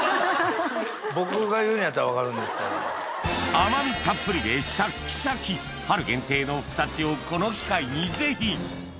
甘みたっぷりでシャッキシャキ春限定のふくたちをこの機会にぜひ！